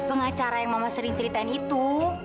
pengacara yang mama sering ceritain itu